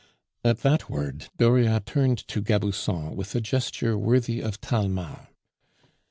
At that word, Dauriat turned to Gabusson with a gesture worthy of Talma.